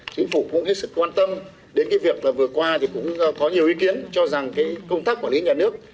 chính phủ cũng hết sức quan tâm đến việc vừa qua cũng có nhiều ý kiến cho rằng công tác quản lý nhà nước